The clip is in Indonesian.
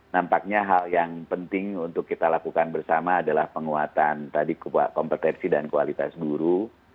nampaknya hal yang penting untuk kita lakukan bersama adalah penguatan tadi kompetensi dan kualitas guru